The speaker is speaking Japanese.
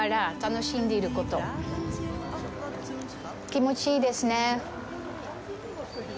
気持ちいいですね。